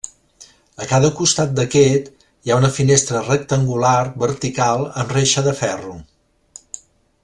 A cada costat d’aquest, hi ha una finestra rectangular vertical amb reixa de ferro.